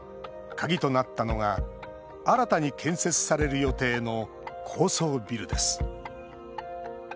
鍵となったのが新たに建設される予定の高層ビルです。